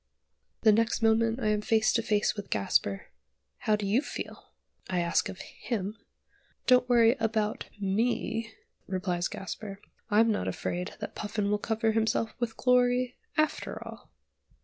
The next moment I am face to face with Gasper. "How do you feel?" I ask of him. "Don't worry about me," replies Gasper. "I'm not afraid that Puffin will cover himself with glory, after all."